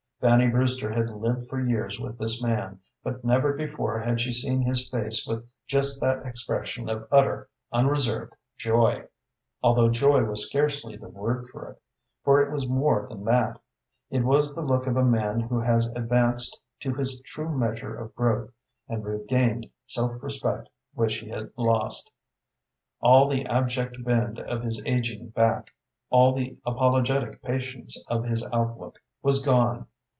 Fanny Brewster had lived for years with this man, but never before had she seen his face with just that expression of utter, unreserved joy; although joy was scarcely the word for it, for it was more than that. It was the look of a man who has advanced to his true measure of growth, and regained self respect which he had lost. All the abject bend of his aging back, all the apologetic patience of his outlook, was gone.